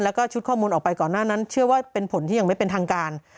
แล้วก็ชุดข้อมูลออกไปก่อนหน้านั้นเชื่อว่าเป็นผลที่ยังไม่เป็นทางการ